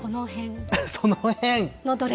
その辺？